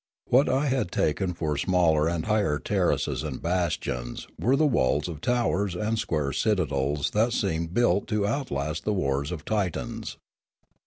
What I had taken for smaller and higher terraces and bastions were the walls of towers aud square citadels that seemed built to outlast the wars of Titans.